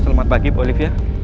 selamat pagi bu olivia